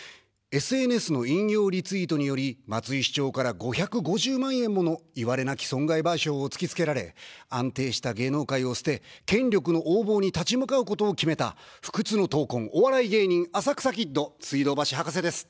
ＳＮＳの引用リツイートにより、松井市長から５５０万円ものいわれなき損害賠償を突きつけられ、安定した芸能界を捨て、権力の横暴に立ち向かうことを決めた、不屈の闘魂、お笑い芸人、浅草キッド、水道橋博士です。